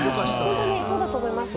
本当にそうだと思います。